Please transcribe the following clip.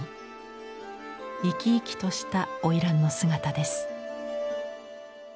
生き生きとしたおいらんの姿です。